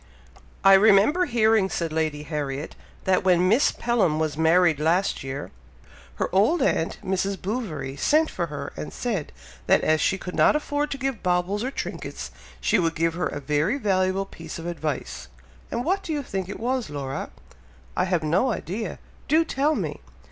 "I remember hearing," said Lady Harriet, "that when Miss Pelham was married last year, her old aunt, Mrs. Bouverie, sent for her and said, that as she could not afford to give baubles or trinkets, she would give her a very valuable piece of advice; and what do you think it was, Laura?" "I have no idea! Do tell me."